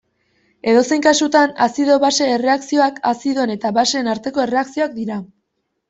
Edozein kasutan, azido-base erreakzioak azidoen eta baseen arteko erreakzioak dira.